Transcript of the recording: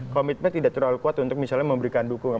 komitmen tidak terlalu kuat untuk misalnya memberikan dukungan